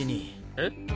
えっ？